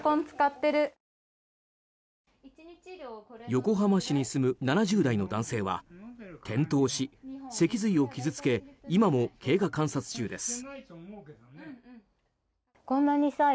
横浜市に住む７０代の男性は転倒し脊髄を傷つけ今も経過観察中です。